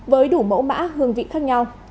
với đủ mẫu mã hương vị khác nhau